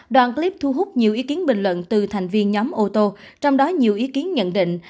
đoàn clip thu hút nhiều ý kiến bình luận từ thành viên nhóm ô tô trong đó nhiều ý kiến nhận định